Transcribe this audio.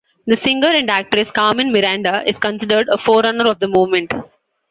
The singer and actress Carmen Miranda is considered a forerunner of the movement.